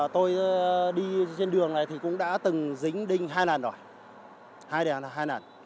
tôi đi trên đường này thì cũng đã từng dính đinh hai lần rồi hai lần hai lần